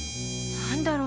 何だろう？